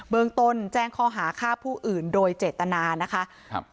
เมืองต้นแจ้งข้อหาฆ่าผู้อื่นโดยเจตนานะคะครับ